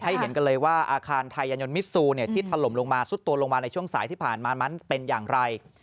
เห็นกันเลยว่าอาคารไทยยันยนต์มิซูที่ถล่มลงมาซุดตัวลงมาในช่วงสายที่ผ่านมานั้นเป็นอย่างไร